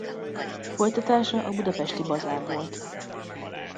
Folytatása a Budapesti Bazár volt.